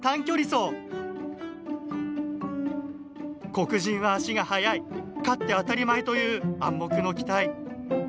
「黒人は足が速い勝って当たり前という暗黙の期待。